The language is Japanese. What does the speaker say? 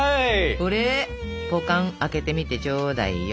これぱかん開けてみてちょうだいよ。